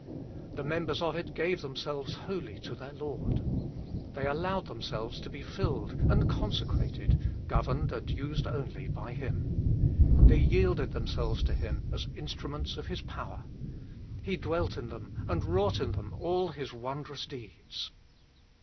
The members of it gave themselves wholly to their Lord. They allowed themselves to be filled and consecrated, governed and used only by Him. They yielded themselves to Him as instruments of His power. He dwelt in them and wrought in them all His wondrous deeds.